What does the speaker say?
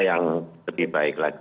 yang lebih baik lagi